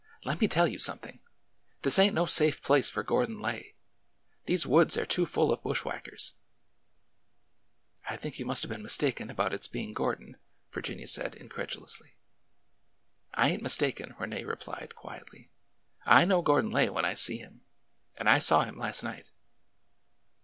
Let me tell you something ! This ain't no safe place for Gor don Lay ! These woods are too full of bushwhackers !" I think you must have been mistaken about its being Gordon," Virginia said incredulously. I ain't mistaken," Rene replied quietly. I know Gordon Lay when I see him ! And I saw him last night."